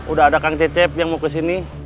udah ada kang cecep yang mau kesini